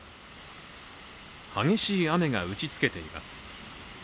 激しい雨が打ち付けています。